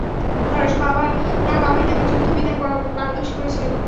তার বাবাই তাকে যুদ্ধবিদ্যায় পারদর্শী করেছিল।